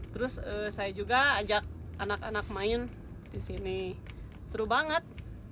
terus saya juga ajak anak anak main di sini seru banget